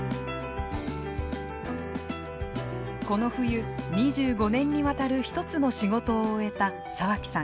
この冬２５年にわたる１つの仕事を終えた沢木さん。